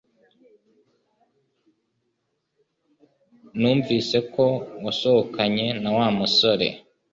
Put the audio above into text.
Numvise ko wasohokanye na Wa musore